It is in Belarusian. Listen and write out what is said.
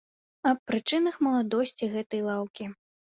Аб прычынах маладосці гэтай лаўкі.